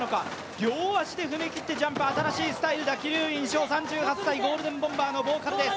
両足で踏み切ってジャンプ新しいスタイルだ、鬼龍院翔３８歳、ゴールデンボンバーのボーカルです。